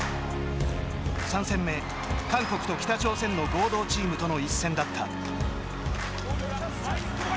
３戦目、韓国と北朝鮮の合同チームとの一戦だった。